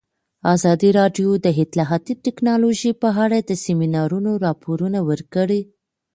ازادي راډیو د اطلاعاتی تکنالوژي په اړه د سیمینارونو راپورونه ورکړي.